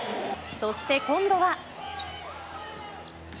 そして今度は。